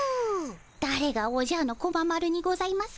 だれが「おじゃのコマ丸」にございますか。